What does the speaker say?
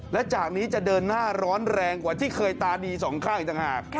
และจากนี้จะเดินหน้าร้อนแรงกว่าที่เคยตาดีสองข้างอีกต่างหาก